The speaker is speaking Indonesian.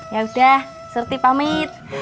yaudah surti pamit